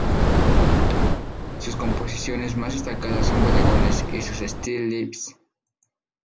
Sus composiciones más destacadas son bodegones y sus "still lives".